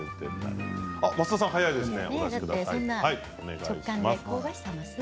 増田さん速いですね。